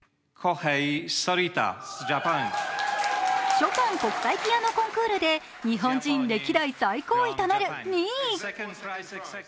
ショパン国際ピアノコンクールで日本人歴代最高位となる２位。